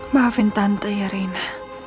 maafin tante ya rena